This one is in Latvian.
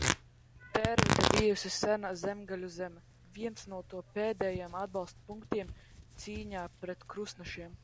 Tērvete bijusi sena zemgaļu zeme, viens no to pēdējiem atbalsta punktiem cīņā pret krustnešiem.